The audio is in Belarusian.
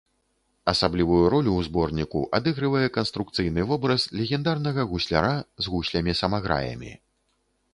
Асаблівую ролю ў зборніку адыгрывае канструкцыйны вобраз легендарнага гусляра з гуслямі-самаграямі.